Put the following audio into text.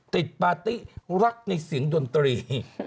ปาร์ตี้รักในเสียงดนตรี